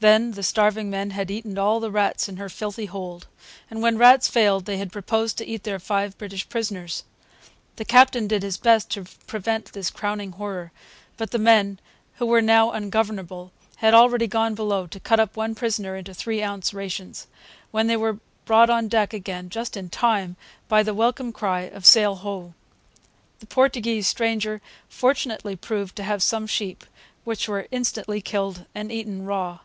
Then the starving men had eaten all the rats in her filthy hold; and when rats failed they had proposed to eat their five British prisoners. The captain did his best to prevent this crowning horror. But the men, who were now ungovernable, had already gone below to cut up one prisoner into three ounce rations, when they were brought on deck again, just in time, by the welcome cry of sail ho! The Portuguese stranger fortunately proved to have some sheep, which were instantly killed and eaten raw.